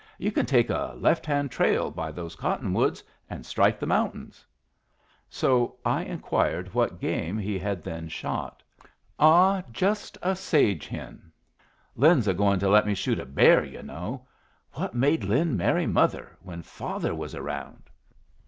You can take a left hand trail by those cottonwoods and strike the mountains." So I inquired what game he had then shot. "Ah, just a sage hen. Lin's a going to let me shoot a bear, you know. What made Lin marry mother when father was around?"